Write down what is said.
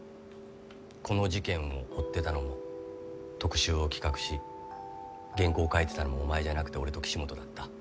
この事件を追ってたのも特集を企画し原稿を書いてたのもお前じゃなくて俺と岸本だった。